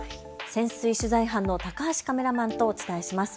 潜水取材班の高橋カメラマンとお伝えします。